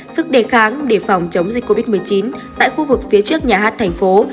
sức đề kháng để phòng chống dịch covid một mươi chín tại khu vực phía trước nhà hát thành phố